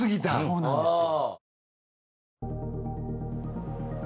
そうなんですよ。